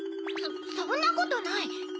そんなことない！